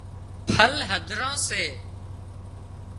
ڦل هڌران سي